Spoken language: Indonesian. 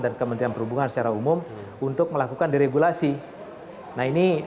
dan kementerian perhubungan secara umum untuk melakukan diregulasi